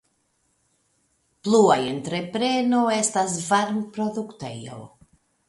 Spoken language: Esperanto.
Plua entrepreno estas varmproduktejo.